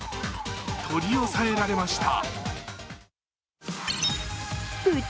取り押さえられました。